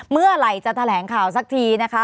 เมื่อไหร่จะแถลงข่าวสักทีนะคะ